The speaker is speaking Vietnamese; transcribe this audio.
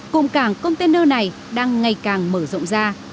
cụm cảng container này đang ngày càng mở rộng ra